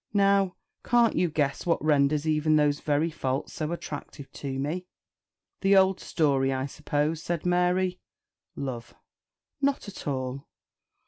Now, can't you guess what renders even these very faults so attractive to me?" "The old story, I suppose?" said Mary. "Love." "Not at all.